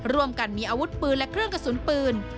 ร่วมกันมีอาวุธปืนและเครื่องกระสุนปืน